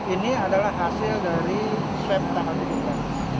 ini adalah hasil dari swab tangan diduga